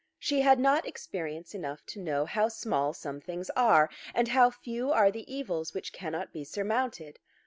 She had not experience enough to know how small some things are, and how few are the evils which cannot be surmounted.